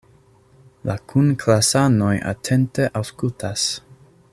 La kunklasanoj atente aŭskultas.